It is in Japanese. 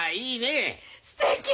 すてき！